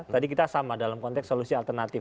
tadi kita sama dalam konteks solusi alternatif